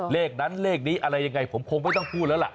เลขนั้นเลขนี้อะไรยังไงผมคงไม่ต้องพูดแล้วล่ะ